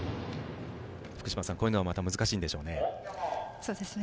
福島さん、こういうのがまた難しいんでしょうね。